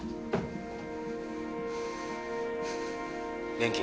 元気？